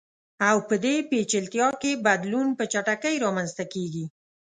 او په دې پېچلتیا کې بدلون په چټکۍ رامنځته کیږي.